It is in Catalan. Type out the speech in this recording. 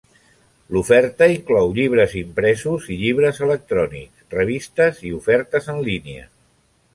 L'oferta inclou llibres impresos i llibres electrònics, revistes i ofertes en línia.